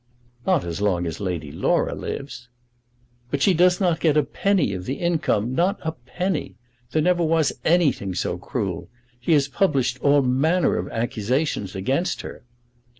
"Not as long as Lady Laura lives." "But she does not get a penny of the income; not a penny. There never was anything so cruel. He has published all manner of accusations against her."